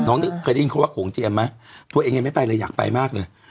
เคยได้ยินเขาว่าโขงเจียมไหมตัวเองยังไม่ไปเลยอยากไปมากเลย